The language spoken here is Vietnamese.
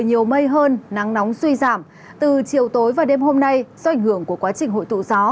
nhiều mây hơn nắng nóng suy giảm từ chiều tối và đêm hôm nay do ảnh hưởng của quá trình hội tụ gió